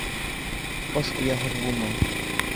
Ҡош ояһыҙ булмай.